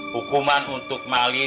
hukuman untuk mali